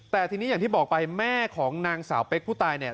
แต่ทีนี้อย่างที่บอกไปแม่ของนางสาวเป๊กผู้ตายเนี่ย